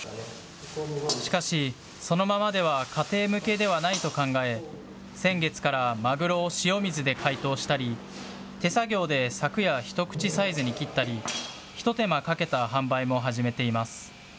しかし、そのままでは家庭向けではないと考え、先月からマグロを塩水で解凍したり、手作業でさくや一口サイズに切ったり、ひと手間かけた販売も始めています。